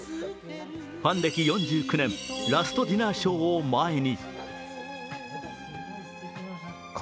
ファン歴４９年、ラストディナーショーを前に。